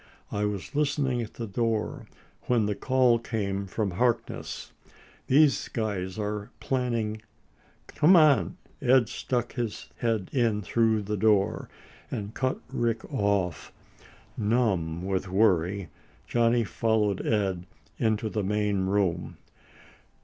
I was listening at the door when the call came from Harkness. These guys are planning " "Come on!" Ed stuck his head in through the door and cut Rick off. Numb with worry, Johnny followed Ed into the main room.